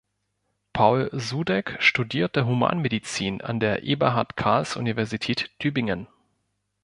Paul Sudeck studierte Humanmedizin an der Eberhard-Karls-Universität Tübingen.